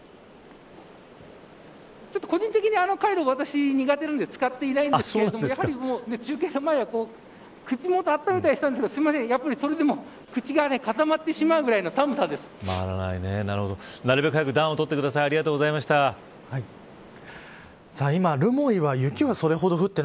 個人的に、カイロ私苦手なので使っていないんですが中継の前は口元を温めたりしたんですがすいません、それでも口が固まってしまうぐらいのなるべく早く暖を取ってください。